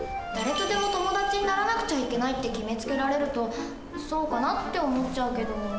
「誰とでも友達にならなくちゃいけない」って決めつけられると「そうかな？」って思っちゃうけど。